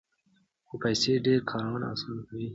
خو پیسې ډېر کارونه اسانه کوي.